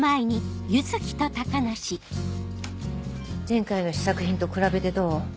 前回の試作品と比べてどう？